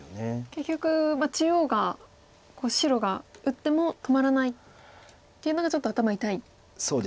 結局中央が白が打っても止まらないっていうのがちょっと頭痛いところ。